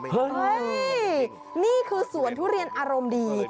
เฮ้ยนี่คือสวนทุเรียนอารมณ์ดี